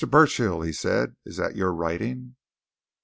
Burchill," he said, "is that your writing?"